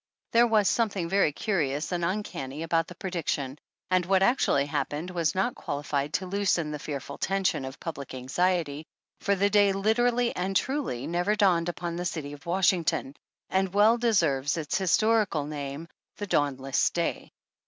There was something very curi ous and uncanny about the prediction, and what ac tually happened was not qualified to loosen the fear ful tension of public anxiety, for the day literally and truly never dawned upon the City of Washington, and well deserves its historical name, the Dawnless Day."